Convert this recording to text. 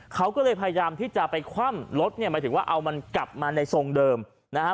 เขาก็เลยพยายามที่จะไปคว่ำรถเนี่ยหมายถึงว่าเอามันกลับมาในทรงเดิมนะฮะ